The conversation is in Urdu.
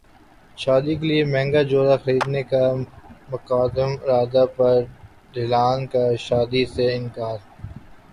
شادی کیلئے مہنگا جوڑا خریدنے کا مذاق اڑانے پر دلہن کا شادی سے انکار